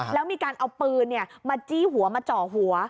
แล้วมีการเอาปืนมาจี้หัวมาเจาะหัว